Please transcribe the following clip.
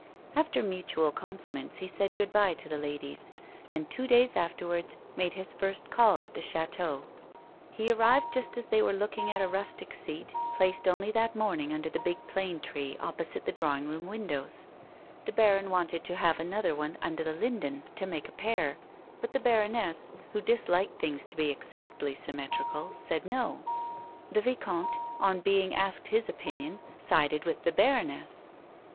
After mutual compliments he said good bye to the ladies ; and two days afterwards made his first call at the chateau. 30 A WOMAN'S LIFE. He arrived just as they were looking at a rustic seat, placed only that morning under tlie big plane tree opposite the drawing room windows. The baron wanted to have another one under the linden to make a pair, but the baroness, who disliked things to be exactly symmetrical, said no. The vicomte, on being asked his opinion, sided with the baroness.